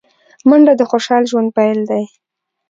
منډه د خوشال ژوند پيل دی